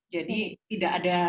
jadi tidak ada